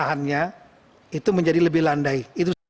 lahannya itu menjadi lebih landai